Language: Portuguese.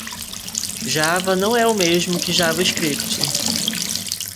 Java não é o mesmo que JavaScript.